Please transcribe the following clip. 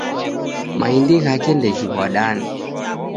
Maindi ghake ndeghiw'adane.